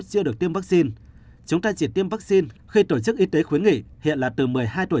chưa được tiêm vaccine chúng ta chỉ tiêm vaccine khi tổ chức y tế khuyến nghị hiện là từ một mươi hai tuổi